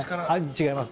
違います